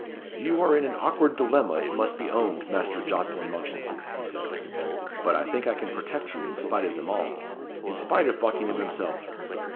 "You are in an awkward dilemma, it must be owned, Master Jocelyn Mounchensey," he said. "But I think I can protect you in spite of them all in spite of Buckingham himself.